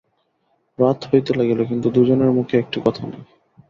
রাত হইতে লাগিল কিন্তু দুজনের মুখে একটি কথা নাই।